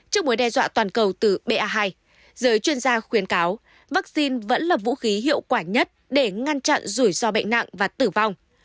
trước mối đe dọa toàn cầu từ ba hai giới chuyên gia khuyến cáo vaccine vẫn là vũ khí hiệu quả nhất để ngăn chặn rủi ro bệnh nặng và tử vong